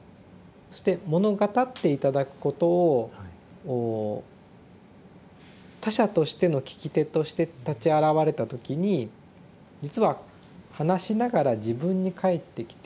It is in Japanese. そして物語って頂くことを他者としての聞き手として立ち現れた時に実は話しながら自分に返ってきている。